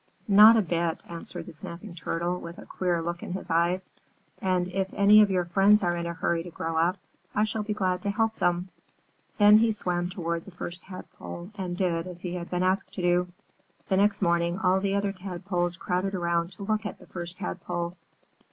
"Not a bit," answered the Snapping Turtle, with a queer look in his eyes. "And if any of your friends are in a hurry to grow up, I shall be glad to help them." Then he swam toward the First Tadpole and did as he had been asked to do. The next morning all the other Tadpoles crowded around to look at the First Tadpole.